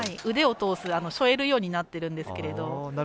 腕を通す添えるようになってるんですけど。